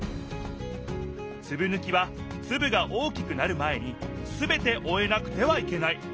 つぶぬきはつぶが大きくなる前にすべておえなくてはいけない。